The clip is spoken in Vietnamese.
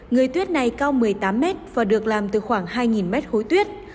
người tuyết này cao một mươi tám m và được làm từ khoảng hai m khối tuyết